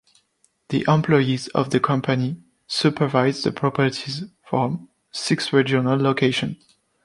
The employees of the company supervise the properties from six regional locations.